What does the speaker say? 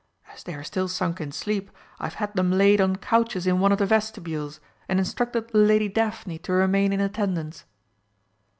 As they are still sunk in sleep, I have had them laid on couches in one of the vestibules, and instructed the Lady Daphne to remain in attendance."